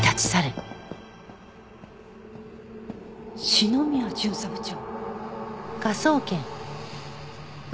篠宮巡査部長？